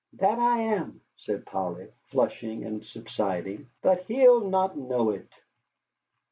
"That I am," said Polly, flushing and subsiding; "but he'll not know it."